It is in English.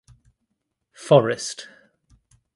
Forest.